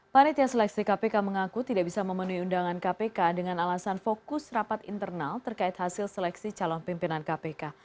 panitia seleksi kpk mengaku tidak bisa memenuhi undangan kpk dengan alasan fokus rapat internal terkait hasil seleksi calon pimpinan kpk